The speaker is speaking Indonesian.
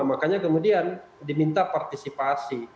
makanya kemudian diminta partisipasi